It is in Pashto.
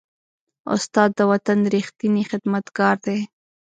استاد د وطن ریښتینی خدمتګار دی.